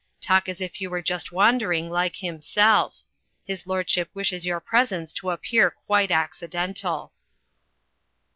Talk as if you were just wan dering like himself. His lordship wishes your presence to appear quite accidental."